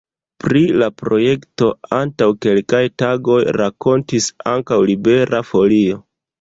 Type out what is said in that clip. Pri la projekto antaŭ kelkaj tagoj rakontis ankaŭ Libera Folio.